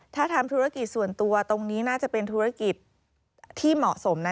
ถ้าทำธุรกิจส่วนตัวตรงนี้น่าจะเป็นธุรกิจที่เหมาะสมนะ